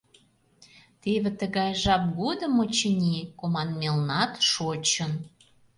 Теве тыгай жап годым, очыни, команмелнат шочын.